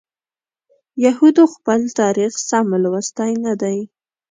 یهودو خپل تاریخ سم لوستی نه دی.